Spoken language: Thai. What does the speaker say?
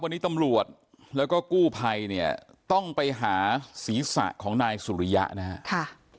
วันนี้ตำรวจแล้วก็กู้ภัยเนี่ยต้องไปหาศีรษะของนายสุริยะนะครับ